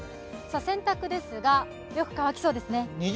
洗濯ですが、よく乾きそうですね。